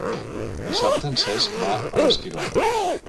Dissabte en Cesc va a l'Esquirol.